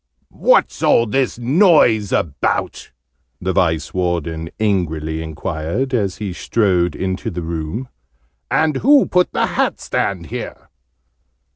"What's all this noise about?" the Vice warden angrily enquired, as he strode into the room. "And who put the hat stand here?"